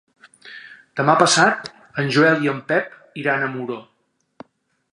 Demà passat en Joel i en Pep iran a Muro.